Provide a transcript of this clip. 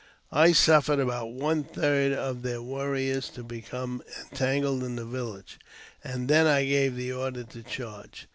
I suffered about one third of their warriors to become entangled in the village, and I then gave the order to charge.